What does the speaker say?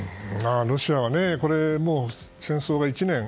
ロシアは戦争が１年。